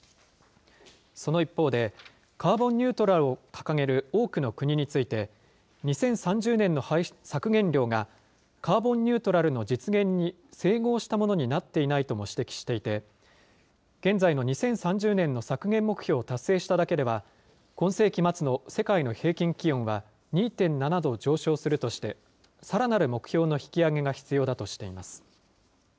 その一方で、カーボンニュートラルを掲げる多くの国について、２０３０年の削減量がカーボンニュートラルの実現に整合したものになっていないとも指摘していて、現在の２０３０年の削減目標を達成しただけでは、今世紀末の世界の平均気温は２．７度上昇するとして、さらなる目標の引き上げが必要だとしています。